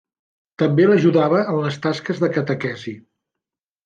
També l'ajudava en les tasques de catequesi.